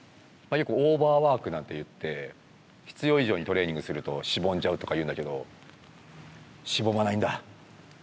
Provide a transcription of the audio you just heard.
よくオーバーワークなんていって必要以上にトレーニングするとしぼんじゃうとかいうんだけどしぼまないんだ。